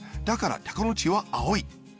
だからタコの血はあおい。